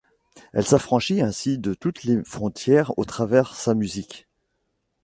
Elle s’affranchit ainsi de toutes les frontières au travers sa musique.